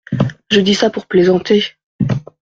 Je dis ça pour plaisanter…